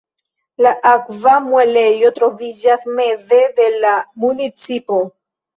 La akva muelejo troviĝas meze de la municipo.